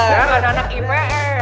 kan anak ips